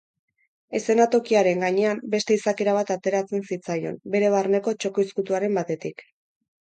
Eszenatokiaren gainean beste izakera bat ateratzen zitzaion bere barneko txoko izkuturen batetik.